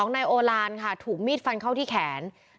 นายโอลานค่ะถูกมีดฟันเข้าที่แขน